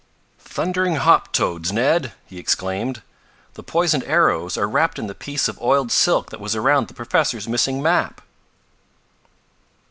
"Thundering hoptoads, Ned!" he exclaimed. "The poisoned arrows are wrapped in the piece of oiled silk that was around the professor's missing map!"